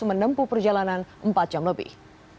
menempuh perjalanan empat jam lebih